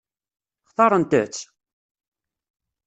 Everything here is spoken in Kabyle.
Xtaṛent-tt?